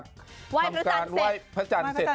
คือไหว้พระจันทร์เสร็จ